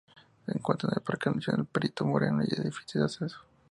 Se encuentra en el Parque Nacional Perito Moreno, y es de difícil acceso.